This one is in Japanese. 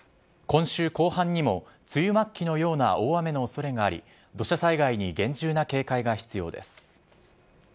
今週後半にも、梅雨末期のような大雨のおそれがあり、土砂災害に厳重な警戒が必要です。